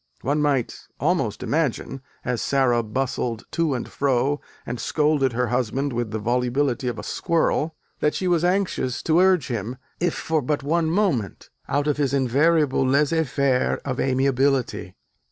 One might almost imagine, as Sara bustled to and fro and scolded her husband with the volubility of a squirrel, that she was anxious to urge him, if but for one moment, out of his invariable laisser faire of amiability....